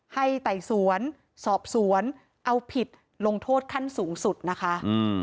ไต่สวนสอบสวนเอาผิดลงโทษขั้นสูงสุดนะคะ